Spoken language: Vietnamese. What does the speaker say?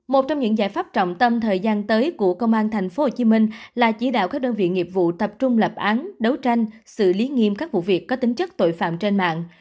một trong những giải pháp trọng tâm thời gian tới của công an tp hcm là chỉ đạo các đơn vị nghiệp vụ tập trung lập án đấu tranh xử lý nghiêm các vụ việc có tính chất tội phạm trên mạng